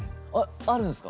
あるんですか？